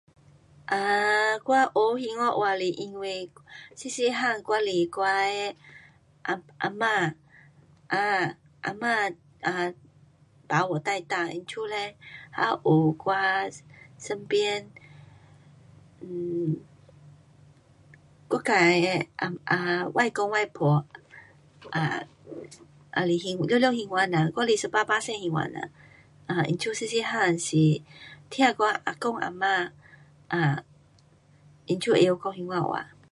um 我学兴华话是因为小小个我是我的妈妈 um 阿妈 um 把我带大的，所以是还有我身边 um 我自己的外公外婆 um 也是兴，全部兴华人。我是一百巴仙兴华人，所以小小个时听我啊公啊嫲 um